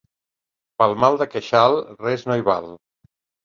Pel mal de queixal, res no hi val.